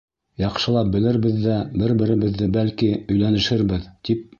Яҡшылап белербеҙ ҙә бер-беребеҙҙе, бәлки, өйләнешербеҙ, тип...